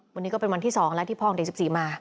วันนี้ก็เป็นวันที่๒แล้วที่พ่อของเด็ก๑๔มา